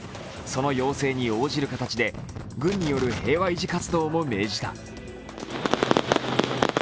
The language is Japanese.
その要請に応じる形で軍による平和維持活動も命じた。